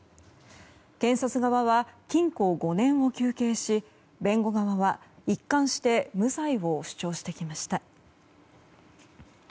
検察側は禁錮５年を求刑し弁護側は一貫して無罪を主張してきました。